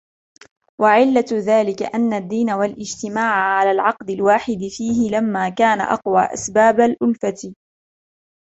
وَعِلَّةُ ذَلِكَ أَنَّ الدِّينَ وَالِاجْتِمَاعَ عَلَى الْعَقْدِ الْوَاحِدِ فِيهِ لَمَّا كَانَ أَقْوَى أَسْبَابِ الْأُلْفَةِ